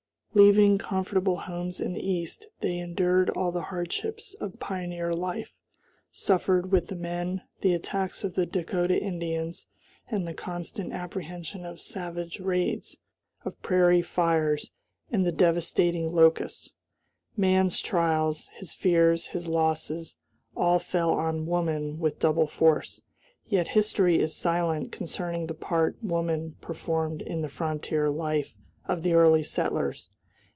Leaving comfortable homes in the East, they endured all the hardships of pioneer life, suffered, with the men, the attacks of the Dakota Indians and the constant apprehension of savage raids, of prairie fires, and the devastating locusts. Man's trials, his fears, his losses, all fell on woman with double force; yet history is silent concerning the part woman performed in the frontier life of the early settlers.